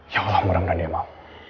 ya allah mudah mudahan dia mau